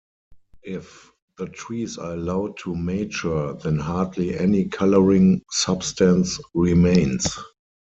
If the trees are allowed to mature then hardly any colouring substance remains.